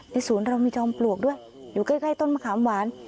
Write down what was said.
ศูนย์เรามีจอมปลวกด้วยอยู่ใกล้ต้นมะขามหวาน